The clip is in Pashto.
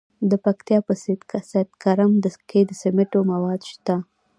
د پکتیا په سید کرم کې د سمنټو مواد شته.